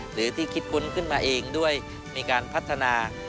หรือที่คิดค้นขึ้นมาเองด้วยมีการพัฒนา